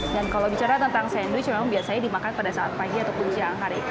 kalau bicara tentang sandwich memang biasanya dimakan pada saat pagi ataupun siang hari